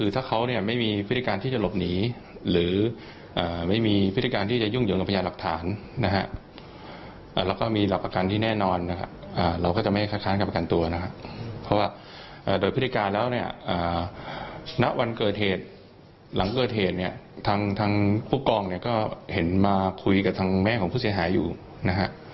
ทางผู้กองเนี่ยก็เห็นมาคุยกับทางแม่ของผู้เสียหายอยู่นะฮะ